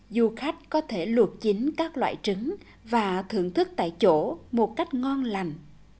du khách có thể luộc chính các loại trứng và thưởng thức tại chỗ một cách ngon lành